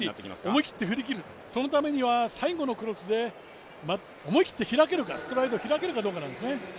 思い切って振り切る、そのためには最後のクロスで思い切ってストライドを開けるかどうかなんですね。